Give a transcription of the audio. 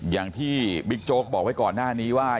อย่างที่บิ๊กโจ๊กบอกไว้ก่อนหน้านี้ว่า